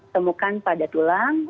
temukan pada tulang